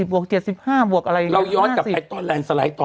พี่วาเลนสไลด์